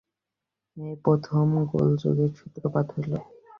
এই প্রথম গোলযোগের সূত্রপাত হইল।